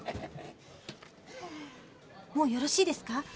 もうよろしいですか？